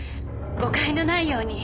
誤解のないように。